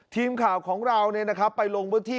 ทีมข่าวของเราเนี่ยนะครับไปลงบ้านที่